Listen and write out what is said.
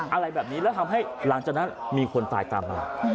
อะไรแบบนี้แล้วทำให้หลังจากนั้นมีคนตายตามมา